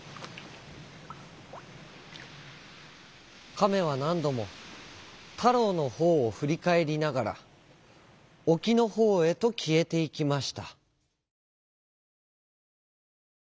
かめはなんどもたろうのほうをふりかえりながらおきのほうへときえていきました。